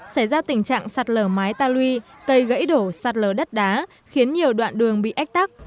xảy ra tình trạng sạt lở mái ta lui cây gãy đổ sạt lở đất đá khiến nhiều đoạn đường bị ách tắc